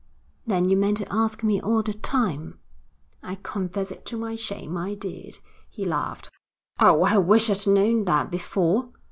'Then you meant to ask me all the time?' 'I confess it to my shame: I did,' he laughed. 'Oh, I wish I'd known that before.'